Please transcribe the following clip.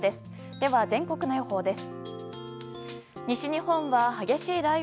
では全国の予報です。